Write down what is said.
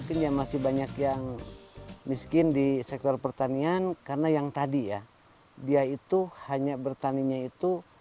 mungkin ya masih banyak yang miskin di sektor pertanian karena yang tadi ya dia itu hanya bertaninya itu